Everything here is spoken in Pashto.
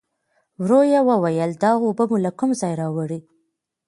ورو يې وویل: دا اوبه مو له کوم ځايه راوړې؟